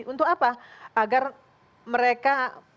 untuk apa agar mereka